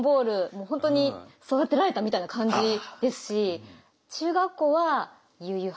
もう本当に育てられたみたいな感じですし。